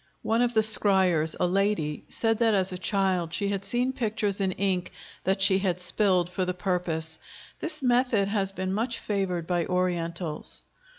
One of the scryers, a lady, said that as a child she had seen pictures in ink that she had spilled for the purpose. This method has been much favored by Orientals.